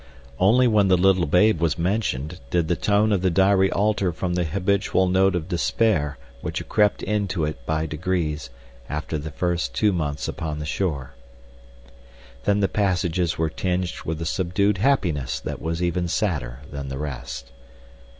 Only when the little babe was mentioned did the tone of the diary alter from the habitual note of despair which had crept into it by degrees after the first two months upon the shore. Then the passages were tinged with a subdued happiness that was even sadder than the rest.